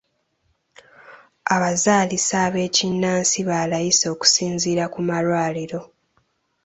Abazaalisa ab'ekinnansi ba layisi okusinziira ku malwaliro.